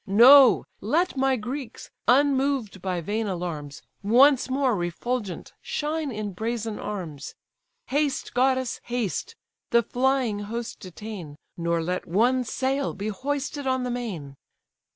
No: let my Greeks, unmoved by vain alarms, Once more refulgent shine in brazen arms. Haste, goddess, haste! the flying host detain, Nor let one sail be hoisted on the main."